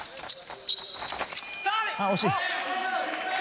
惜しい。